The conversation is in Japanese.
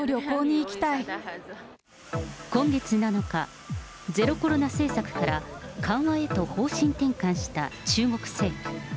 今月７日、ゼロコロナ政策から緩和へと方針転換した中国政府。